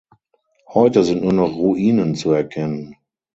Heute sind nur noch Ruinen zu erkennen.